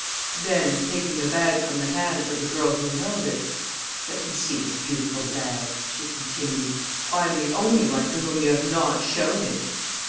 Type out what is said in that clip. Then, taking the bag from the hands of the girl who held it, "Let me see this beautiful bag," she continued, "I am the only one to whom you have not shown it!"